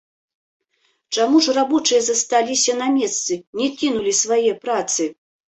Чаму ж рабочыя засталіся на месцы, не кінулі свае працы?